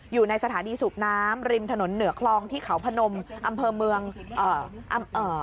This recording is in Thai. อยู่ในสถานีสูบน้ำริมถนนเหนือคลองที่เขาพนมอำเภอเมืองเอ่อเอ่อ